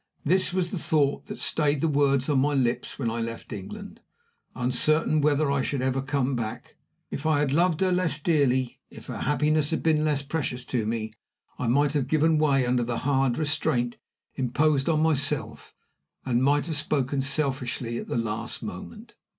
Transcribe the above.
This was the thought that stayed the words on my lips when I left England, uncertain whether I should ever come back. If I had loved her less dearly, if her happiness had been less precious to me, I might have given way under the hard restraint I imposed on myself, and might have spoken selfishly at the last moment.